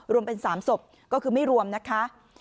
รวมเป็น๓ศพก็คือไม่รวมนะคะ